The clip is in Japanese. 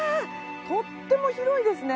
とっても広いですね。